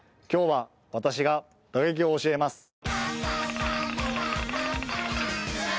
今日は私が打撃を教えます。